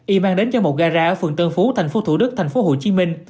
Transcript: y mang đến cho một gara ở phường tân phú thành phố thủ đức thành phố hồ chí minh